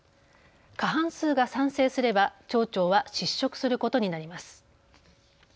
過半数が賛成すれば町長は失職することになります。